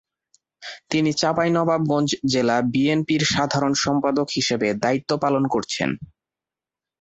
তিনি চাঁপাইনবাবগঞ্জ জেলা বিএনপির সাধারণ সম্পাদক হিসেবে দায়িত্ব পালন করছেন।